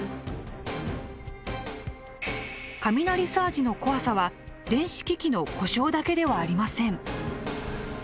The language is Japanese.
雷サージの怖さは電子機器の故障だけではありません。